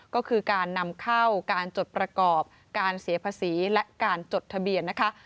ก็คือการนำเข้าการจดประกอบการเสียภาษีและการจดทะเบียนนะคะ